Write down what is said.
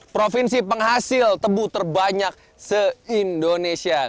provinsi penghasil tebu terbanyak se indonesia